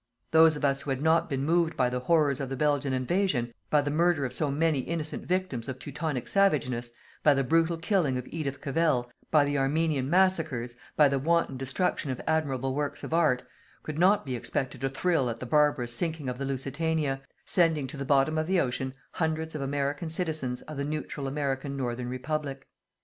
Those of us who had not been moved by the horrors of the Belgian invasion, by the murder of so many innocent victims of teutonic savageness, by the brutal killing of Edith Cavell, by the Armenian massacres, by the wanton destruction of admirable works of Art, could not be expected to thrill at the barbarous sinking of the Lusitania, sending to the bottom of the ocean hundreds of American citizens of the neutral American Northern Republic.